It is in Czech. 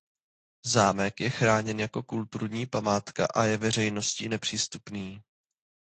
Zámek je chráněn jako kulturní památka a je veřejnosti nepřístupný.